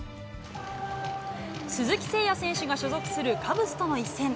鈴木誠也選手が所属するカブスとの一戦。